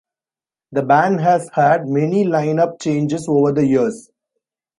The band has had many line-up changes over the years.